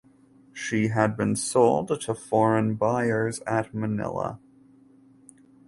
She had been sold to foreign buyers at Manila.